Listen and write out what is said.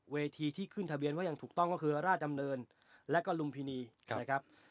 เวทีที่ขึ้นทะเบียนไว้อย่างถูกต้องก็คือราชดำเนินและก็ลุมพินีนะครับ